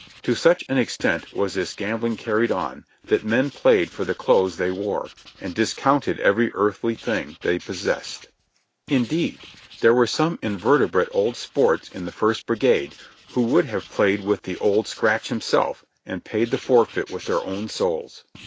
To such an extent was this gambling carried on that men played for the clothes they wore, and discounted every earthly thing they possessed. Indeed there were some in veterate old sports in the First Brigade who would have played with the "Old Scratch" himself, and paid the forfeit with their own souls.